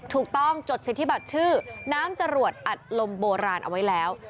จดสิทธิบัตรชื่อน้ำจรวดอัดลมโบราณเอาไว้แล้ว